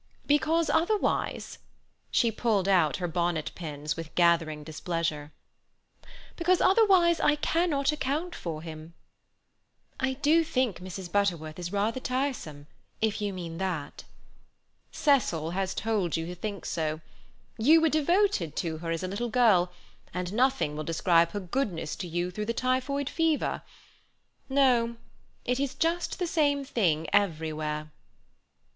"Because otherwise"—she pulled out her bonnet pins with gathering displeasure—"because otherwise I cannot account for him." "I do think Mrs. Butterworth is rather tiresome, if you mean that." "Cecil has told you to think so. You were devoted to her as a little girl, and nothing will describe her goodness to you through the typhoid fever. No—it is just the same thing everywhere."